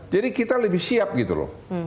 jadi kita lebih siap gitu loh